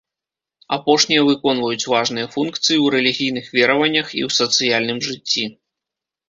Апошнія выконваюць важныя функцыі ў рэлігійных вераваннях і ў сацыяльным жыцці.